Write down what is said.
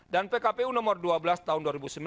pkpu nomor dua belas tahun dua ribu sembilan belas